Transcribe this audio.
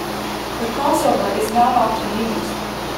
The crossover is not often used.